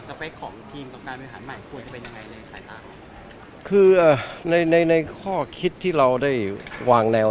เปคของทีมกับการบริหารใหม่ควรจะเป็นยังไงในสายตาคือในในในข้อคิดที่เราได้วางแนว